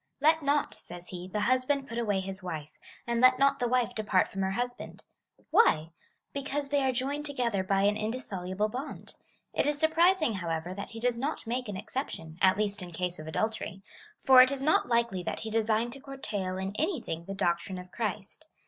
Let not, says he, the husband put away his wife, and let not the wife depart from her husband. Why ? Because they are joined to gether by an indissoluble bond. It is surprising, however, that he does not make an exception, at least in case of adultery ; for it is not likely that he designed to curtail in anything the doctrine of Christ.